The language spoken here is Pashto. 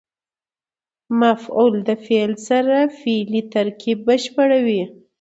مفعول د فعل سره فعلي ترکیب بشپړوي.